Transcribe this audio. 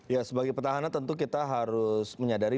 ya sebagai petahana tentu kita harus menyadari